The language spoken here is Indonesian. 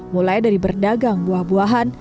mulai dari berdagang buah buahan